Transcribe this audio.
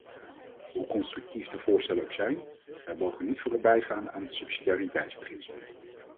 Hoe constructief de voorstellen ook zijn, wij mogen niet voorbijgaan aan het subsidiariteitsbeginsel.